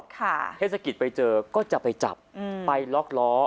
เทศกิจไปเจอก็จะไปจับไปล็อกล้อ